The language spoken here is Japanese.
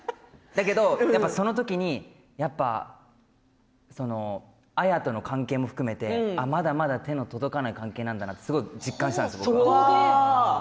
やっぱりその時に綾との関係も含めてまだまだ手の届かない関係だなって実感したんです。